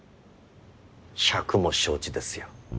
百も承知ですよ。